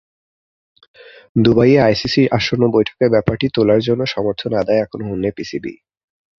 দুবাইয়ে আইসিসির আসন্ন বৈঠকে ব্যাপারটি তোলার জন্য সমর্থন আদায়ে এখন হন্যে পিসিবি।